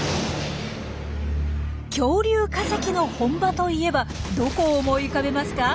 恐竜化石の本場といえばどこを思い浮かべますか？